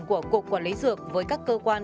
của cục quản lý dược với các cơ quan